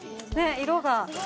◆色が。